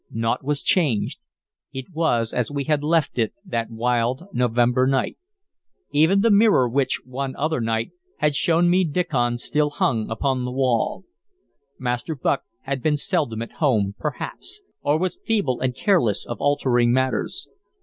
Naught was changed; it was as we had left it that wild November night. Even the mirror which, one other night, had shown me Diccon still hung upon the wall. Master Bucke had been seldom at home, perhaps, or was feeble and careless of altering matters.